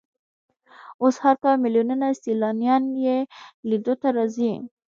اوس هر کال ملیونونه سیلانیان یې لیدو ته راځي.